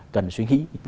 cần suy nghĩ